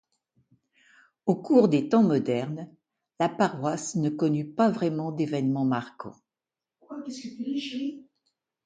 Au cours des temps modernes, la paroisse ne connut pas vraiment d'événements marquants.